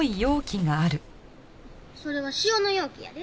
それは塩の容器やで。